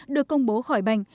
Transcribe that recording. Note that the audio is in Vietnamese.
được công bố khỏi bệnh